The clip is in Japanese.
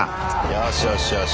よしよしよし。